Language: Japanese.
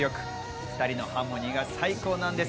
２人のハーモニーが最高なんです。